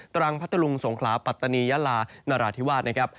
ตรังพัตตลุงสงคลาปัตตานียาลานราธิวาส